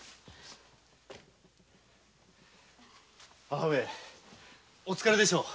母上お疲れでしょう。